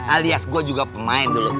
alias gue juga pemain dulu